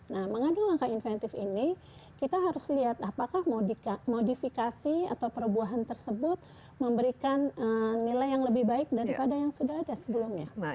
nah mengandung langkah inventif ini kita harus lihat apakah modifikasi atau perbuahan tersebut memberikan nilai yang lebih baik daripada yang sudah ada sebelumnya